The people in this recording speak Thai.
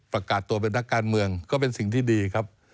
ประกาศตัวเป็นนักการเมืองก็เป็นสิ่งที่ดีครับ